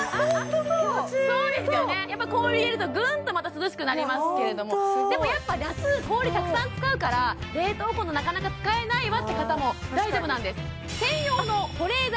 気持ちいいそうですよねやっぱ氷入れるとぐんとまた涼しくなりますけれどもでもやっぱ夏氷たくさん使うから冷凍庫のなかなか使えないわって方も大丈夫なんです